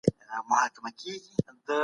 شکر دئ؛ زه جوړ یم.